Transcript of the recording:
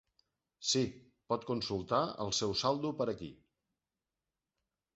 Si, pot consultar el seu saldo per aquí.